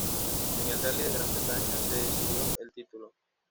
En el Rally de Gran Bretaña se decidió el título.